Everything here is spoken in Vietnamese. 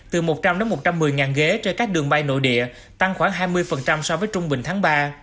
từ một trăm linh một trăm một mươi ghế trên các đường bay nội địa tăng khoảng hai mươi so với trung bình tháng ba